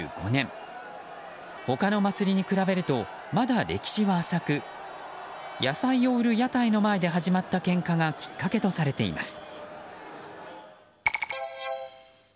他の祭りに比べるとまだ歴史は浅く野菜を売る屋台の前で始まったけんかがきっかけとされています。